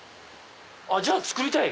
じゃあ作りたい！